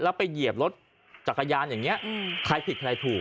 แล้วไปเหยียบรถจักรยานอย่างนี้ใครผิดใครถูก